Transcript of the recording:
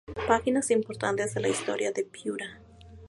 Páginas importantes de la historia de Piura